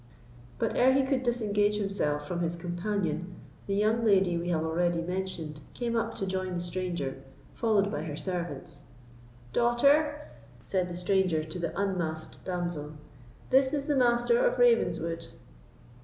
But, ere he could disengage himself from his companion, the young lady we have already mentioned came up to join the stranger, followed by her servants. "Daughter," said the stranger to the unmasked damsel, "this is the Master of Ravenswood."